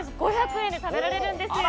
５００円で食べられるんですよ。